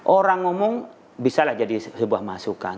orang ngomong bisalah jadi sebuah masukan